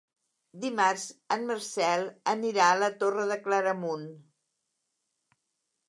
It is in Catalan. Dimarts en Marcel anirà a la Torre de Claramunt.